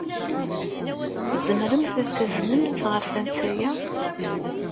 Tzemremt ad tt-taznemt ɣer tansa-a?